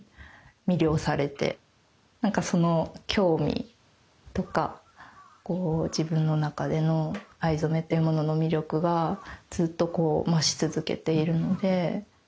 なんかその興味とか自分の中での藍染めっていうものの魅力がずっとこう増し続けているので。